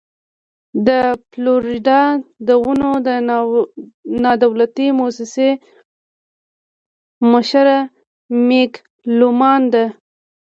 د فلوريډا د ونو د نادولتي مؤسسې مشره مېګ لومان ده.